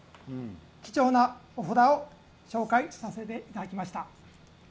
貴重なお札を紹介させていただきました。